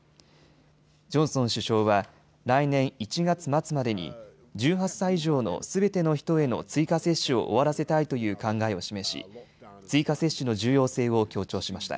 ジョンソン首相は来年１月末までに１８歳以上のすべての人への追加接種を終わらせたいという考えを示し、追加接種の重要性を強調しました。